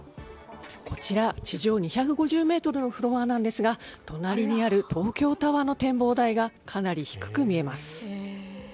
こちら地上２５０ｍのフロアなんですが隣にある東京タワーの展望台がかなり低く見えます。